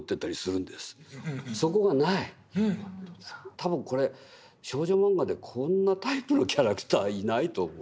多分これ少女漫画でこんなタイプのキャラクターはいないと思う。